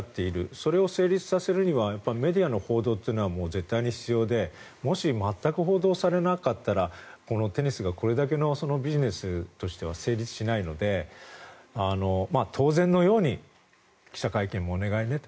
それを成立させるにはやっぱりメディアの報道は絶対に必要でもし全く報道されなかったらテニスがこれだけのビジネスとしては成立しないので、当然のように記者会見もお願いねと。